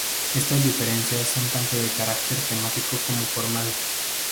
Estas diferencias son tanto de carácter temático como formal.